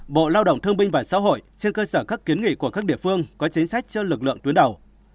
bộ lao động thương binh và xã hội trên cơ sở các kiến nghị của các địa phương có chính sách cho lực lượng tuyến đầu